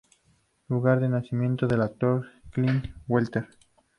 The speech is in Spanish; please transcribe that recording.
Lugar de nacimiento del actor Clint Walker.